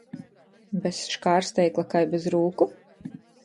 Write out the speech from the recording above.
Bez škārsteikla kai bez rūku?